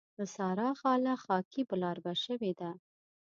د سارا خاله خاکي بلاربه شوې ده.